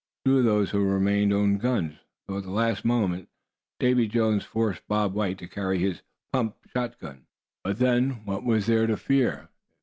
Two of those who remained owned guns, though at the last moment Davy Jones forced Bob White to carry his "pump" shot gun. But then, what was there to fear?